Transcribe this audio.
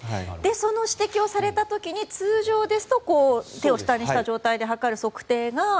その指摘をされた時に通常ですと手を下にした状態で測るのが。